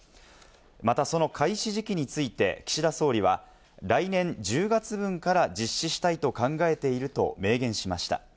またその開始時期について、岸田総理は来年１０月分から実施したいと考えていると明言しました。